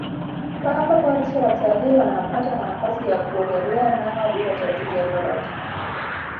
papa pote watalii wanapata nafasi ya kuogelea nao bila tatizo lolote